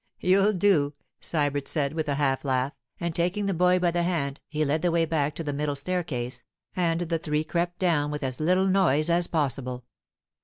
'You'll do,' Sybert said with a half laugh, and taking the boy by the hand, he led the way back to the middle staircase, and the three crept down with as little noise as possible.